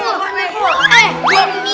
wah ini keren banget